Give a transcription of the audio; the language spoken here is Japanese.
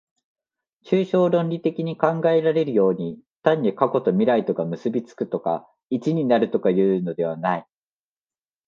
抽象論理的に考えられるように、単に過去と未来とが結び附くとか一になるとかいうのではない。